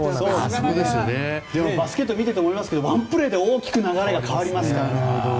でもバスケット見ていて思いますけどワンプレーで大きく流れが変わりますから。